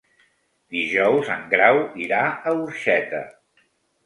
Dijous en Grau irà a Orxeta.